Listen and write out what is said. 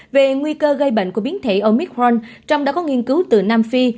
về nguy cơ gây bệnh của biến thể omicron trong đó có nghiên cứu từ nam phi